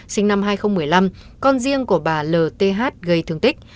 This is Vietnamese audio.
sinh năm hai nghìn một mươi năm con riêng của bà lth gây thương tích